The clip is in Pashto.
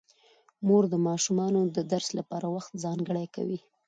مور د ماشومانو د درس لپاره وخت ځانګړی کوي